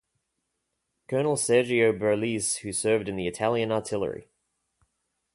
Colonel Sergio Berlese who served in the Italian artillery.